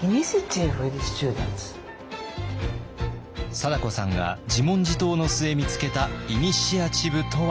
貞子さんが自問自答の末見つけたイニシアチブとは。